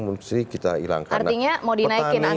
mesti kita hilangkan artinya mau dinaikin